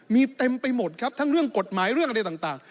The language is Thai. มีเต็มไปหมดครับทั้งเรื่องกฎหมายเรื่องอะไรต่าง